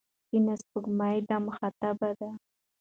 سپینه سپوږمۍ د ده مخاطبه ده.